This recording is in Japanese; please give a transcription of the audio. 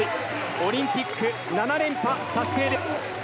オリンピック７連覇達成です。